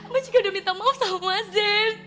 mai juga udah minta maaf sama zen